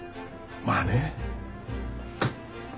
まあね。